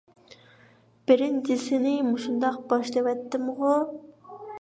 بىرىنچىسىنى مۇشۇنداق باشلىۋەتتىمغۇ!